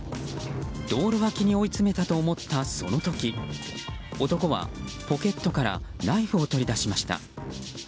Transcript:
道路脇に追い詰めたと思ったその時男はポケットからナイフを取り出しました。